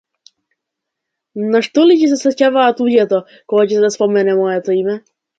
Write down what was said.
На што ли ќе се сеќаваат луѓето, кога ќе се спомене моето име?